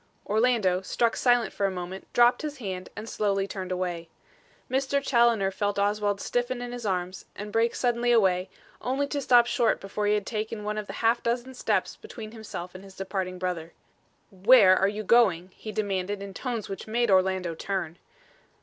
Orlando, struck silent for a moment, dropped his hand and slowly turned away. Mr. Challoner felt Oswald stiffen in his arms, and break suddenly away, only to stop short before he had taken one of the half dozen steps between himself and his departing brother. "Where are you going?" he demanded in tones which made Orlando turn.